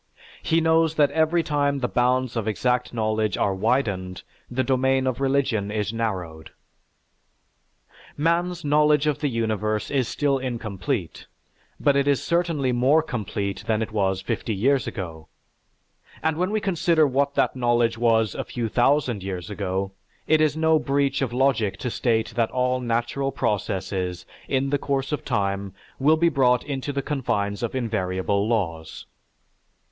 He knows that every time the bounds of exact knowledge are widened, the domain of religion is narrowed. Man's knowledge of the universe is still incomplete, but it is certainly more complete than it was fifty years ago; and when we consider what that knowledge was a few thousand years ago, it is no breach of logic to state that all natural processes, in the course of time, will be brought into the confines of invariable laws.